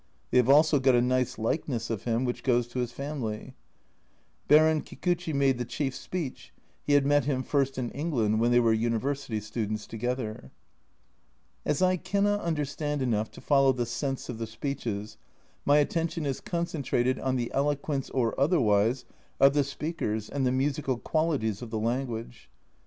They have also got a nice likeness of him, which goes to his family. Baron Kikuchi made the chief speech ; he had met him first in England, when they were university students together. As I cannot understand enough to follow the sense of the speeches, my attention is concentrated on the eloquence or otherwise of the speakers and the musical qualities of the language.